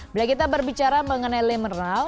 bila kita berbicara mengenai lem mineral